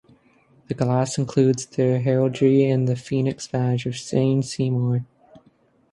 The glass includes their heraldry and the phoenix badge of Jane Seymour.